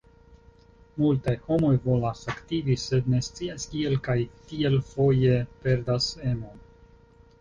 Multaj homoj volas aktivi, sed ne scias kiel kaj tiel foje perdas emon.